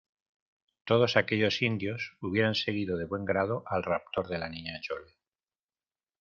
todos aquellos indios hubieran seguido de buen grado al raptor de la Niña Chole.